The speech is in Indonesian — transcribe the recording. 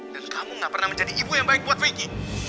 dan kamu gak pernah menjadi ibu yang baik buat vicky